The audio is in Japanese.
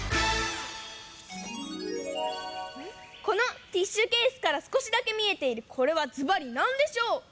このティッシュケースからすこしだけみえているこれはずばりなんでしょう？